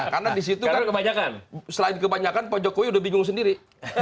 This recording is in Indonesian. karena di situ kan selain kebanyakan pak jokowi udah bingung sendiri